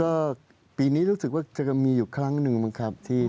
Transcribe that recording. ก็ปีนี้รู้สึกว่าจะมีอยู่ครั้งหนึ่งบ้างครับ